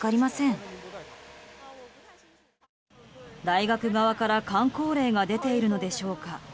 大学側から箝口令が出ているのでしょうか。